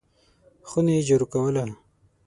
خونه یې جارو کوله !